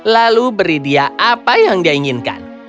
lalu beri dia apa yang dia inginkan